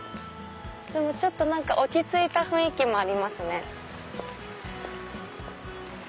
ちょっと落ち着いた雰囲気もありますね。